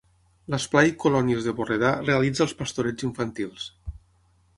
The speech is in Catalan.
L'esplai Colònies de Borredà realitza els pastorets infantils.